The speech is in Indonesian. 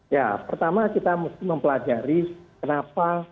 ya pertama kita mesti mempelajari kenapa